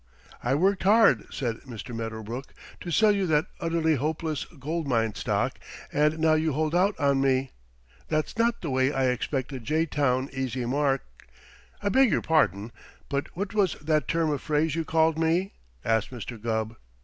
"I worked hard," said Mr. Medderbrook, "to sell you that Utterly Hopeless Gold Mine stock and now you hold out on me. That's not the way I expect a jay town easy mark " "I beg your pardon, but what was that term of phrase you called me?" asked Mr. Gubb.